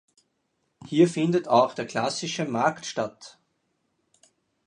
Hier findet auch der klassische Markt statt.